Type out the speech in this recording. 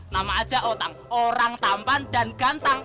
nama aja otang orang tampan dan ganteng